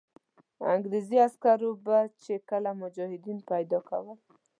انګرېزي عسکرو به چې کله مجاهدین پیدا کول.